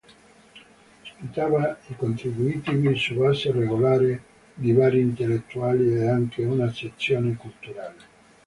Ospitava i contributi su base regolare di vari intellettuali ed anche una sezione culturale.